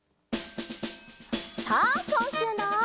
さあこんしゅうの。